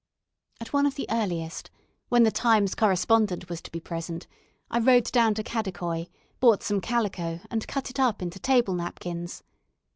At one of the earliest, when the Times correspondent was to be present, I rode down to Kadikoi, bought some calico and cut it up into table napkins.